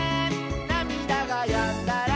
「なみだがやんだら」